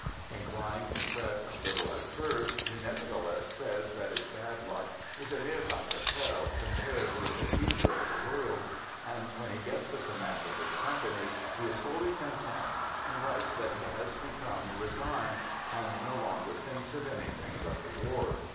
Inclined to fret a little at first, he nevertheless says that his bad luck is a mere bagatelle compared with " the future of the world "; and when he gets the command of his company, he is wholly content and writes that he has become re signed, and no longer thinks of anything but the war.